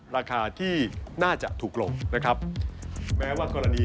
ราคาที่น่าจะถูกลงนะครับ